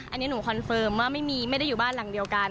อันนี้หนูคอนเฟิร์มว่าไม่ได้อยู่บ้านหลังเดียวกัน